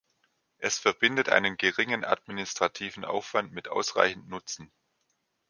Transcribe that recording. Es verbindet einen geringen administrativen Aufwand mit ausreichend Nutzen.